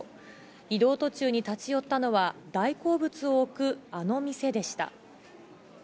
移動途中に立ち寄ったのは大好物を置くあの店でした。